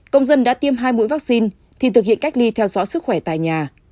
công dân đã tiêm hai mũi vaccine thì thực hiện cách ly theo dõi sức khỏe tại nhà